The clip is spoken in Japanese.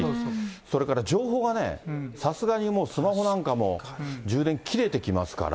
それから情報がね、さすがにもうスマホなんかも、充電切れてきますから。